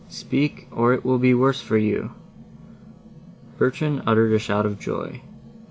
"Speak or it will be worse for you." Bertrand uttered a shout of joy.